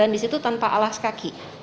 di situ tanpa alas kaki